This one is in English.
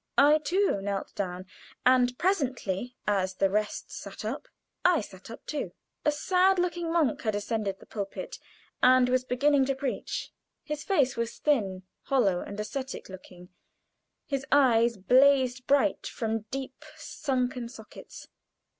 I, too, knelt down, and presently as the rest sat up I sat up too. A sad looking monk had ascended the pulpit, and was beginning to preach. His face was thin, hollow, and ascetic looking; his eyes blazed bright from deep, sunken sockets.